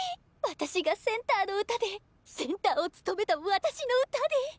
私がセンターの歌でセンターを務めた私の歌で！